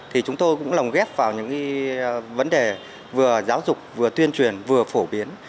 thì chúng tôi cũng lòng ghép vào những vấn đề vừa giáo dục vừa tuyên truyền vừa phổ biến